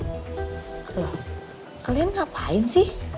loh kalian ngapain sih